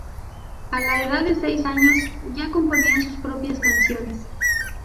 A la edad de seis años ya componía sus propias canciones.